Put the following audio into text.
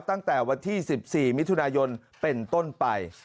ตั้งแต่วันที่๑๔มิถุนายนเป็นต้นไป